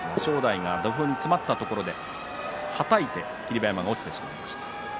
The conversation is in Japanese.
土俵に詰まった正代、はたいて霧馬山が落ちてしまいました。